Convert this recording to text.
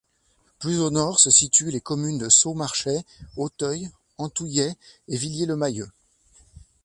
Plus au nord, se situent les communes de Saulx-Marchais, Auteuil, Autouillet et Villiers-le-Mahieu.